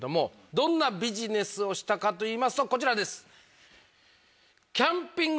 どんなビジネスをしたかといいますとこちらです。